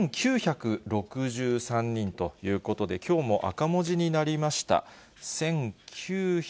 １９６３人ということで、きょうも赤文字になりました。